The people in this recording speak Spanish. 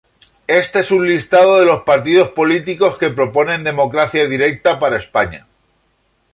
Este es un listado de los partidos políticos que proponen democracia directa para España.